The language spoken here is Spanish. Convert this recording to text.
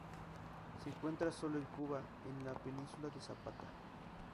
Se encuentra solo en Cuba, en la Península de Zapata.